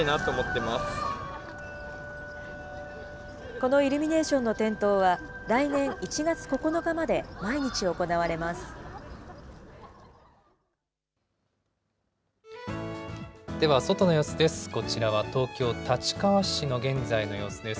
このイルミネーションの点灯は、来年１月９日まで毎日行われます。